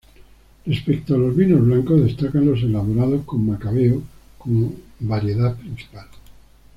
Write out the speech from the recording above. Respecto a los vinos blancos, destacan los elaborados con macabeo como variedad principal.